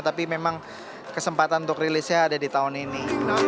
tapi memang kesempatan untuk rilisnya ada di tahun ini